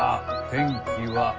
天気は？